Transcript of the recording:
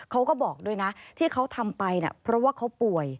เขาบอกด้วยนะที่เขาทำไปเพราะว่าเขาป่วย